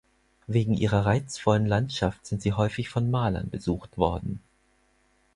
Wegen ihrer reizvollen Landschaft sind sie häufig von Malern besucht worden.